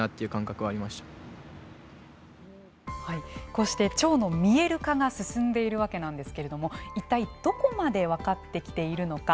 こうして腸の見える化が進んでいるわけなんですけれども一体、どこまで分かってきているのか